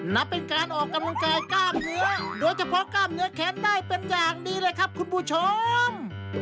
นับเป็นการออกกำลังกายกล้ามเนื้อโดยเฉพาะกล้ามเนื้อแขนได้เป็นอย่างดีเลยครับคุณผู้ชม